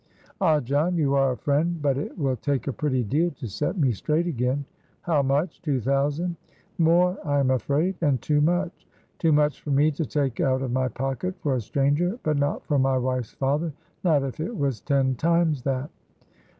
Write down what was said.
"Ah, John, you are a friend! but it will take a pretty deal to set me straight again." "How much? Two thousand?" "More, I am afraid, and too much " "Too much for me to take out of my pocket for a stranger; but not for my wife's father not if it was ten times that."